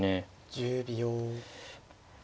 １０秒。